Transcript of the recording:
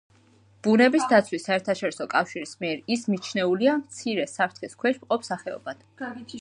ბუნების დაცვის საერთაშორისო კავშირის მიერ ის მიჩნეულია მცირე საფრთხის ქვეშ მყოფ სახეობად.